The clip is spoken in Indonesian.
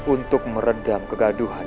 untuk meredam kegaduhan